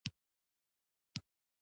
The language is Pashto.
تواب ونه ته ورغی سړی ناست و.